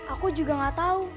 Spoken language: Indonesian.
aku juga gak tau